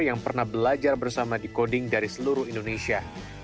yang pernah belajar bersama decoding dari seluruh indonesia